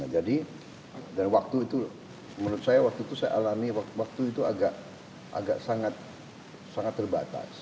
jadi dan waktu itu menurut saya waktu itu saya alami waktu itu agak sangat terbatas